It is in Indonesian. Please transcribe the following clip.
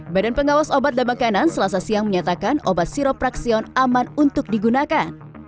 badan pengawas obat dan makanan selasa siang menyatakan obat siropraksion aman untuk digunakan